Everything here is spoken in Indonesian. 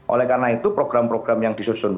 oleh karena itu program program yang disusun